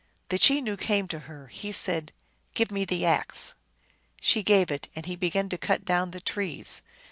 The Chenoo came to her. He said, " Give me the axe !" She gave it, and he began to cut down the trees.